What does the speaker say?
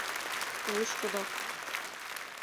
Лушкыдо.